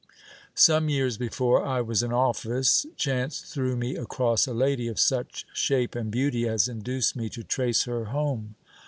Some years before I was in office, chance threw me across a lady of such shape and beauty as induced me to trace her home.